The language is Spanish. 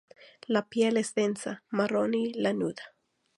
La piel es densa, marrón y lanuda.